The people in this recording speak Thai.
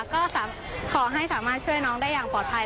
ก็ขอให้สามารถช่วยน้องได้อย่างปลอดภัย